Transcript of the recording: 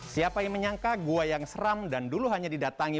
siapa yang menyangka gua yang seram dan dulu hanya didatangi